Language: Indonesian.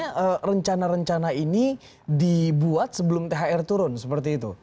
karena rencana rencana ini dibuat sebelum thr turun seperti itu